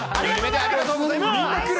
ありがとうございます。